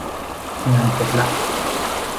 งานเสร็จละ